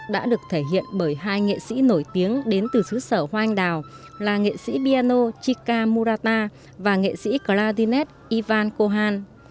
đã được thể hiện bởi hai nghệ sĩ nổi tiếng đến từ xứ sở hoang đào là nghệ sĩ piano chika murata và nghệ sĩ carrerinet ivan kohan